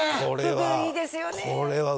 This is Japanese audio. ふぐいいですよね